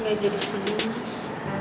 enggak jadi sendiri mas